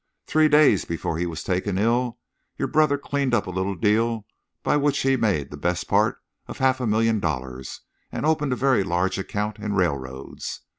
Three days before he was taken ill, your brother cleaned up a little deal by which he made the best part of half a million dollars and opened a very large account in railroads.